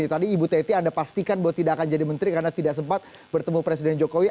tadi ibu teti anda pastikan bahwa tidak akan jadi menteri karena tidak sempat bertemu presiden jokowi